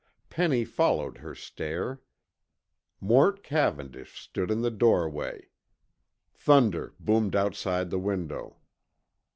Penny followed her stare. Mort Cavendish stood in the doorway. Thunder boomed outside the window.